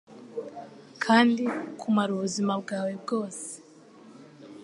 Kandi kumara ubuzima bwawe bwose